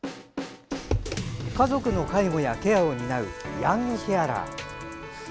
家族の介護やケアを担うヤングケアラー。